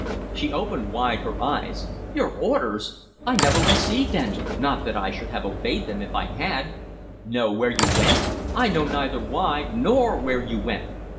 She opened wide her eyes. "Your orders? I never received any, not that I should have obeyed them if I had. Know where you went? I know neither why nor where you went!"